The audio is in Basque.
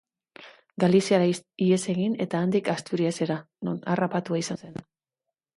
Galiziara ihes egin eta handik Asturiasera non harrapatua izan zen.